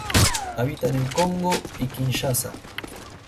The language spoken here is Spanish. Habita en el Congo y Kinshasa.